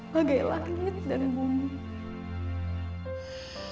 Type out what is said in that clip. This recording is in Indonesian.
bagai langit dan bumi